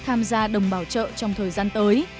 tham gia đồng bào trợ trong thời gian tới